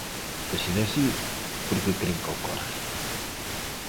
De ser así, por que cren que ocorre?